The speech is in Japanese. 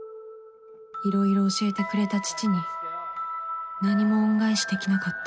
いろいろ教えてくれた父に何も恩返しできなかった